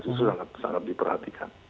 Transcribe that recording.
itu sangat diperhatikan